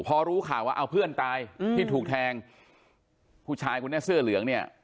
พอรู้ข่าวว่าเอาเพื่อนตายอืมที่ถูกแทงผู้ชายคนนี้เสื้อเหลืองเนี่ย